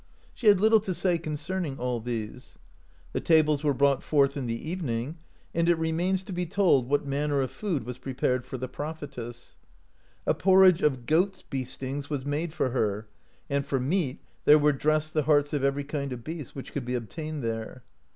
She had little to say concerning all these. The tables were brought forth in the evening, and it remains to be told what manner of food was prepared for the proph etess. A porridge of goat's beestings was made for her, and for meat there were dressed the hearts of every kind of beast, which could be obtained there.